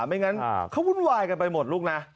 ไม่อย่างนั้นก็วุ่นวายกันไปหมดลูกนะ